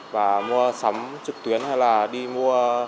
và mua sắm trực tuyến hay là đi mua